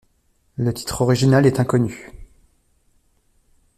Le titre original est inconnu.